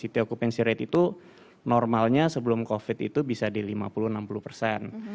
city okupansi rate itu normalnya sebelum covid itu bisa di lima puluh enam puluh persen